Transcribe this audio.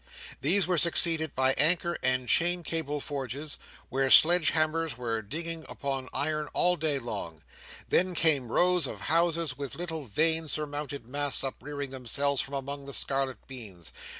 These were succeeded by anchor and chain cable forges, where sledgehammers were dinging upon iron all day long. Then came rows of houses, with little vane surmounted masts uprearing themselves from among the scarlet beans.